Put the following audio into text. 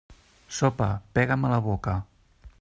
Sopa, pega'm a la boca.